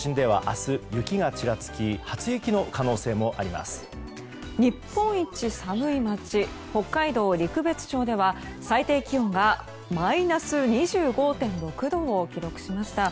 日本一寒い町北海道陸別町では最低気温がマイナス２５．６度を記録しました。